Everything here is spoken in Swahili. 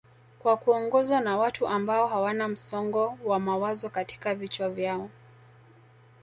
kwa kuongozwa na watu ambao hawana msongo wa mawazo katika vichwa vyao